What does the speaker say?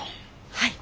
はい。